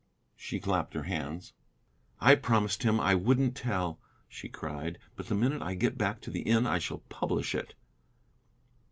She clapped her hands. "I promised him I wouldn't tell," she cried, "but the minute I get back to the inn I shall publish it."